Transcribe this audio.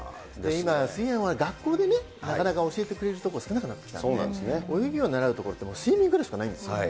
今、水泳は学校でなかなか教えてくれるところ、少なくなってきたんで、泳ぎを習うところってスイミングくらいしかないんです。